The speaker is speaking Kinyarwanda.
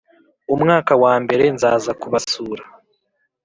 umwaka wa mbere nzaza kubasura